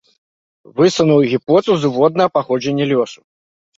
Высунуў гіпотэзу воднага паходжання лёсу.